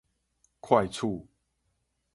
快取